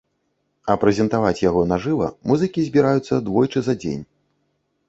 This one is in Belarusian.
А прэзентаваць яго на жыва музыкі збіраюцца двойчы за дзень.